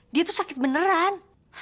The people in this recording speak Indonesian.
dia tuh sakit beneran